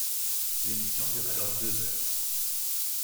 L'émission dure alors deux heures.